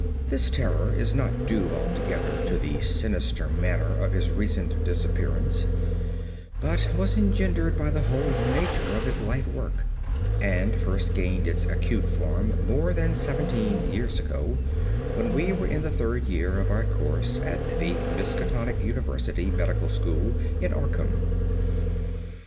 This terror is not due altogether to the sinister manner of his recent disappearance, but was engendered by the whole nature of his life work, and first gained its acute form more than seventeen years ago, when we were in the third year of our course at the Miskatonic University Medical School in Arkham.